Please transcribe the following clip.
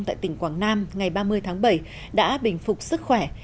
tại tỉnh quảng nam ngày ba mươi tháng bảy đã bình phục sức khỏe